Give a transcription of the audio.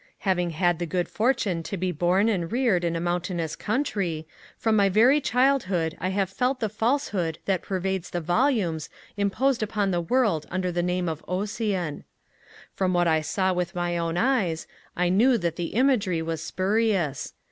Having had the good fortune to be born and reared in a mountainous country, from my very childhood I have felt the falsehood that pervades the volumes imposed upon the world under the name of Ossian. From what I saw with my own eyes, I knew that the imagery was spurious.